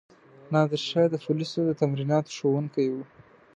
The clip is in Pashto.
نادرشاه د پولیسو د تمریناتو ښوونکی وو.